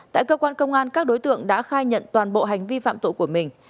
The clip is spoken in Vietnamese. tại cơ quan công an các đối tượng đã khai nhận toàn bộ hành vi phạm tội của mình